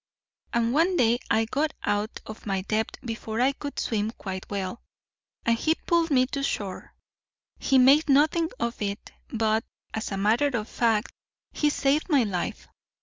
And one day I got out of my depth before I could swim quite well, and he pulled me to shore. He made nothing of it; but, as a matter of fact, he saved my life.